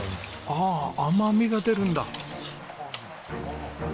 ああ甘みが出るんだ。